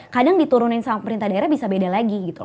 kadang diturunin sama pemerintah daerah bisa beda lagi gitu loh